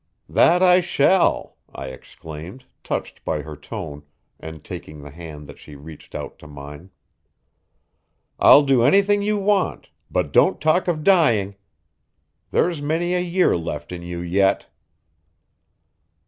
"That I shall," I exclaimed, touched by her tone, and taking the hand that she reached out to mine. "I'll do anything you want, but don't talk of dying. There's many a year left in you yet."